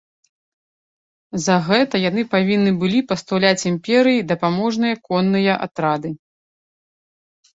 За гэта яны павінны былі пастаўляць імперыі дапаможныя конныя атрады.